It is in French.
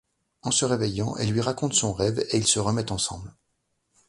En se réveillant, elle lui raconte son rêve, et ils se remettent ensemble.